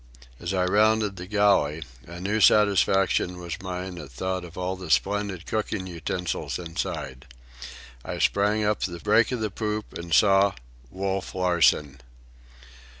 As I rounded the galley, a new satisfaction was mine at thought of all the splendid cooking utensils inside. I sprang up the break of the poop, and saw—Wolf Larsen.